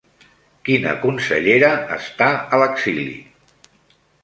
Quina consellera està a l'exili?